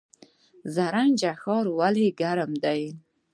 زرنج ښار ولې ګرم دی؟